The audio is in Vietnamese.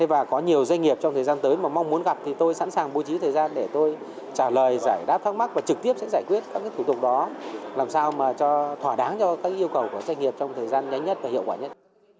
và có nhiều doanh nghiệp trong thời gian tới mà mong muốn gặp thì tôi sẵn sàng bố trí thời gian để tôi trả lời giải đáp thắc mắc và trực tiếp sẽ giải quyết các thủ tục đó làm sao mà cho thỏa đáng cho các yêu cầu của doanh nghiệp trong thời gian nhanh nhất và hiệu quả nhất